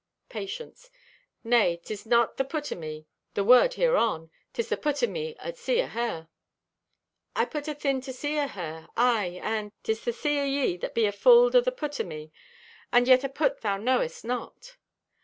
Patience.—"Nay, 'tis not the put o' me, the word hereon. 'Tis the put o' me at see o' her. "I put athin the see o' her, aye and 'tis the see o' ye that be afulled o' the put o' me, and yet a put thou knowest not.